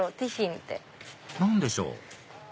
何でしょう？